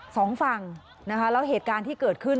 สองฝั่งนะคะแล้วเหตุการณ์ที่เกิดขึ้น